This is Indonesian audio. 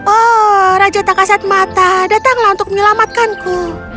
oh raja tak kasat mata datanglah untuk menyelamatkanku